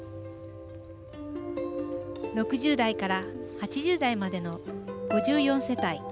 ６０代から８０代までの５４世帯